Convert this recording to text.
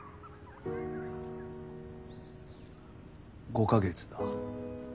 ５か月だ。